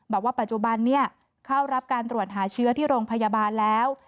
บอกว่าปัจจุบันนี้เข้ารับการตรวจหาเชื้อที่โรงพยาบาลแล้ว